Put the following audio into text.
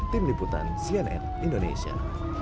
tim liputan sianet indonesia